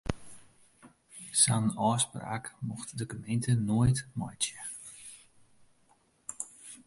Sa'n ôfspraak mocht de gemeente noait meitsje.